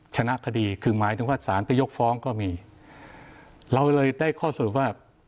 ชนะคดีคือหมายถึงว่าสารไปยกฟ้องก็มีเราเลยได้ข้อสรุปว่า